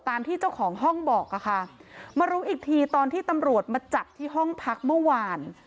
ที่เจ้าของห้องบอกอะค่ะมารู้อีกทีตอนที่ตำรวจมาจับที่ห้องพักเมื่อวาน